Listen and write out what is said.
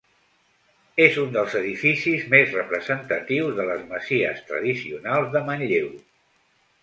És un dels edificis més representatius de les masies tradicionals de Manlleu.